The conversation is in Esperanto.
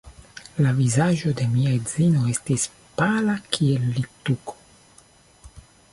La vizaĝo de mia edzino estis pala kiel littuko.